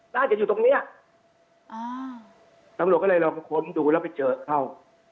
น่าจะอยู่ตรงเนี้ยอ่าตำรวจก็เลยลองค้นดูแล้วไปเจอเข้า